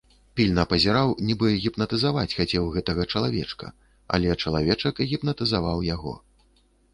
Пільна пазіраў, нібы гіпнатызаваць хацеў гэтага чалавечка, але чалавечак гіпнатызаваў яго.